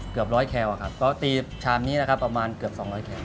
เกือบร้อยแคลอะครับก็ตีชามนี้นะครับประมาณเกือบ๒๐๐แคล